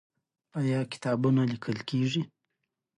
آیا کتابونه لیکل کیږي؟